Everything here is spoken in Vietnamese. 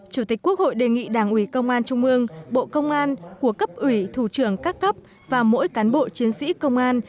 chủ tịch quốc hội đề nghị đảng ủy công an trung ương bộ công an của cấp ủy thủ trưởng các cấp và mỗi cán bộ chiến sĩ công an